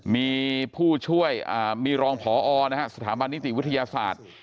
มีผู้ช่วยมีรองพอนะฮะสถาบันนิติวิทยาศาสตร์